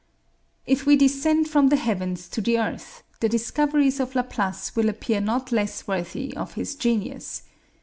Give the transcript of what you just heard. If we descend from the heavens to the earth, the discoveries of Laplace will appear not less worthy of his genius.